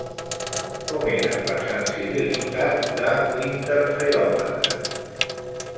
Com era la sensibilitat de l'interferòmetre?